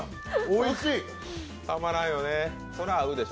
おいしい！